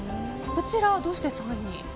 こちら、どうして３位に？